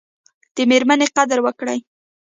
د میرمني قدر وکړئ